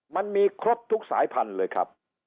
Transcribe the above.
มันมีครบทุกสายพันธุ์เลยครับ